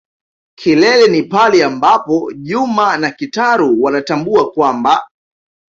kilele ni pale ambapo Juma na Kitaru wanatambua kwamba.